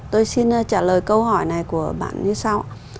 tôi xin trả lời câu hỏi này của bạn như sau